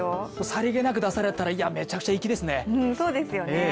さりげなく出されたらめちゃくちゃ粋ですね。